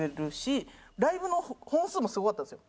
ライブの本数もすごかったんですよ。